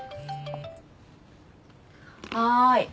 はい。